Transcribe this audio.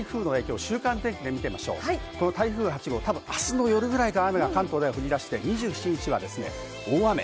台風８号、明日の夜くらいから関東で降りだして２８日は大雨。